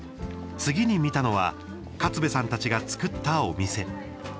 次に見たのは勝部さんたちが作ったお店。